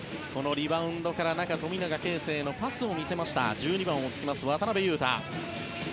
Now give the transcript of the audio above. リバウンドから中の富永啓生へのパスを見せた１２番をつけます渡邊雄太。